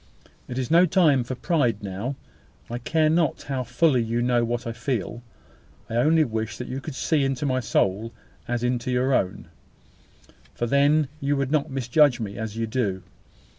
It is no time for pride now. I care not how fully you know what I feel. I only wish that you could see into my soul as into your own; for then you would not misjudge me as you do.